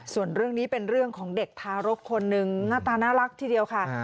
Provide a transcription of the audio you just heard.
ส่วนเรื่องนี้เป็นเรื่องของเด็กทารกคนนึงหน้าตาน่ารักทีเดียวค่ะ